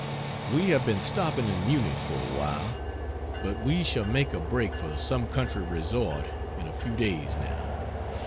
We have been stopping in Munich for awhile, but we shall make a break for some country resort in a few days now.